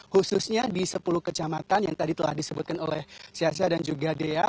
khususnya di sepuluh kecamatan yang tadi telah disebutkan oleh siasa dan juga dea